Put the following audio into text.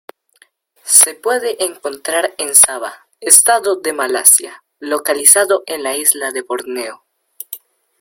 Se pueden encontrar en Sabah, estado de Malasia localizado en la isla de Borneo.